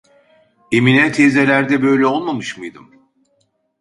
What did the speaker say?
Emine teyzelerde böyle olmamış mıydım?